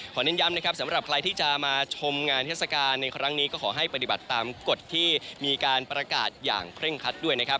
เน้นย้ำนะครับสำหรับใครที่จะมาชมงานเทศกาลในครั้งนี้ก็ขอให้ปฏิบัติตามกฎที่มีการประกาศอย่างเคร่งคัดด้วยนะครับ